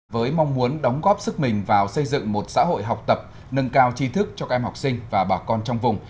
với mong muốn đóng góp sức mình vào xây dựng một xã hội học tập nâng cao trí thức cho các em học sinh và bà con trong vùng